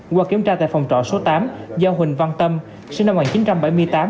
qua kiểm tra tại phòng trọ số tám do huỳnh văn tâm sinh năm một nghìn chín trăm bảy mươi tám